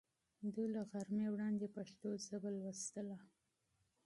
دوی له غرمې وړاندې پښتو ژبه لوستله.